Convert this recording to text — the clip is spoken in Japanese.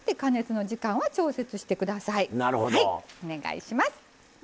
お願いします。